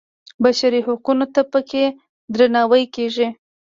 بشري حقونو ته په کې درناوی کېږي.